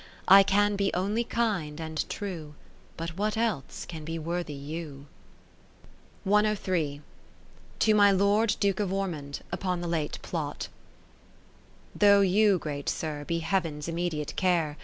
I can be only kind and true, But what else can be worthy you ? (591 ) To my Lord Duke of Ormond, upon the late Plot Though you, great Sir, be Heav'n's immediate care.